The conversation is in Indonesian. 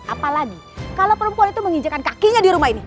apalagi kalau perempuan itu menginjakan kakinya di rumah ini